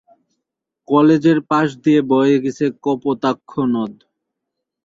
কলেজের পাশ দিয়ে বয়ে গেছে কপোতাক্ষ নদ।